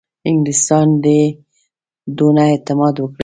انګلیسیان دي دونه اعتماد وکړي.